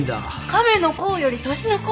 亀の甲より年の功！